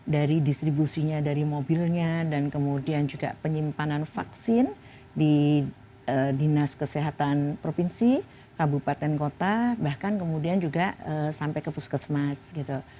dari distribusinya dari mobilnya dan kemudian juga penyimpanan vaksin di dinas kesehatan provinsi kabupaten kota bahkan kemudian juga sampai ke puskesmas gitu